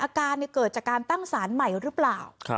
อาการเกิดจากการตั้งสารใหม่หรือเปล่า